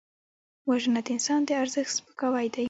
وژنه د انسان د ارزښت سپکاوی دی